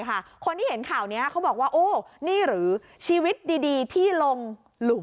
คนที่เห็นข่าวนี้เขาบอกว่าโอ้นี่หรือชีวิตดีที่ลงหลุม